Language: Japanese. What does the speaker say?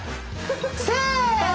せの！